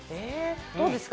どうですか？